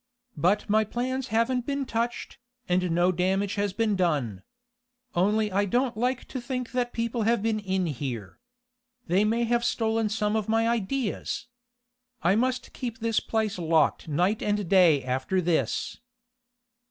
"But my plans haven't been touched, and no damage has been done. Only I don't like to think that people have been in here. They may have stolen some of my ideas. I must keep this place locked night and day after this."